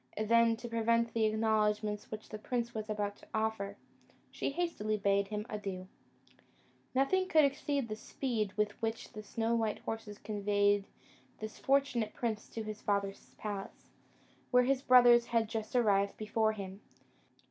Then, to prevent the acknowledgments which the prince was about to offer, she hastily bade him adieu. Nothing could exceed the speed with which the snow white horses conveyed this fortunate prince to his father's palace, where his brothers had just arrived before him.